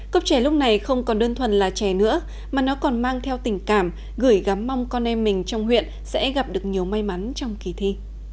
cốc chè lúc này không còn đơn thuần là chè nữa mà nó còn mang theo tình cảm gửi gắm mong con em mình trong huyện sẽ gặp được nhiều may mắn trong kỳ thi